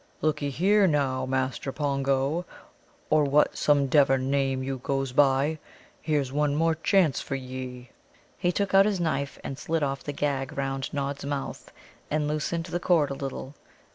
Lookee here, now, Master Pongo, or whatsomedever name you goes by, here's one more chance for ye." He took out his knife and slit off the gag round Nod's mouth, and loosened the cord a little.